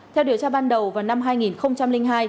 theo điều tra ban đầu vào năm hai nghìn hai